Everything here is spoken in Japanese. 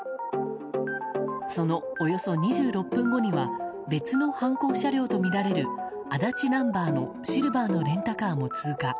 そのおよそ２６分後には別の犯行車両とみられる足立ナンバーのシルバーのレンタカーも通過。